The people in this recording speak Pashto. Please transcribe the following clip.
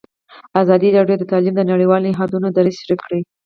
ازادي راډیو د تعلیم د نړیوالو نهادونو دریځ شریک کړی.